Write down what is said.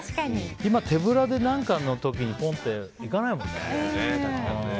今、手ぶらで何かの時にポンと行かないもんね。